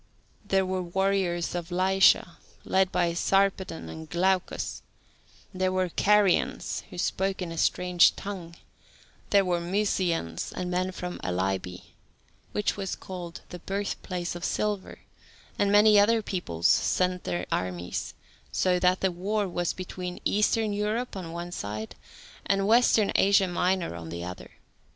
There were warriors of Lycia, led by Sarpedon and Glaucus; there were Carians, who spoke in a strange tongue; there were Mysians and men from Alybe, which was called "the birthplace of silver," and many other peoples sent their armies, so that the war was between Eastern Europe, on one side, and Western Asia Minor on the other.